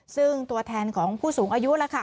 ซึ่งตัวแทนของผู้สูงอายุล่ะค่ะ